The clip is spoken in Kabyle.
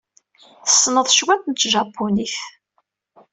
Tessneḍ cwiṭ n tjapunit.